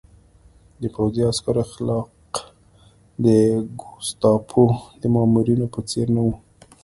د پوځي عسکرو اخلاق د ګوستاپو د مامورینو په څېر نه وو